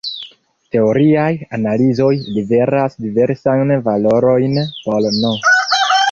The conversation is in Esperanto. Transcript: Teoriaj analizoj liveras diversajn valorojn por "n".